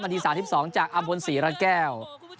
นาทีสามที่สองจากอัมษ์บนศรีราแก้ว